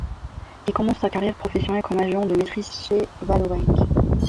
Il commence sa carrière professionnelle comme agent de maîtrise chez Vallourec.